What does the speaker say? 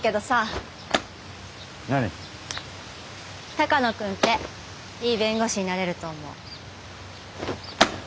鷹野君っていい弁護士になれると思う。